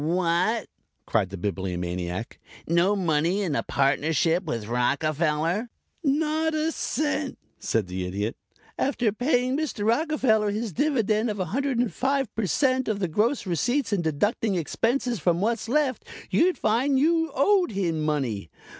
"What?" cried the Bibliomaniac. "No money in a partnership with Rockefeller?" "Not a cent," said the Idiot. "After paying Mr. Rockefeller his dividend of 105 per cent. of the gross receipts and deducting expenses from what's left, you'd find you owed him money.